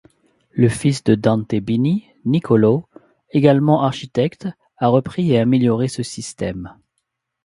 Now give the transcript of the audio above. Le fils de Dante Bini, Niccolò, également architecte, a repris et amélioré ce système.